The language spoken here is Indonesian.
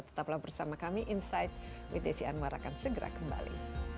tetaplah bersama kami insight with desi anwar akan segera kembali